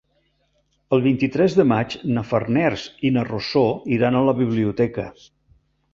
El vint-i-tres de maig na Farners i na Rosó iran a la biblioteca.